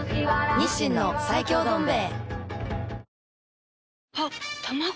日清の最強どん兵衛